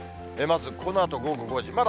まず、このあと午後５時。